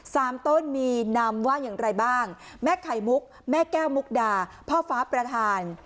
สามต้นมีนำว่าอย่างไรบ้างแม่ไข่มุกแม่แก้วมุกดาพ่อฟ้าประธาน